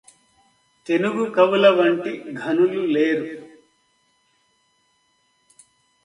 తెనుగు కవులవంటి ఘనులు లేరు